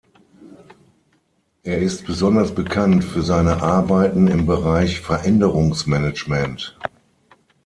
Er ist besonders bekannt für seine Arbeiten im Bereich Veränderungsmanagement.